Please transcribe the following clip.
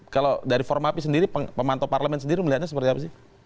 kalau dari formapi sendiri pemantau parlemen sendiri melihatnya seperti apa sih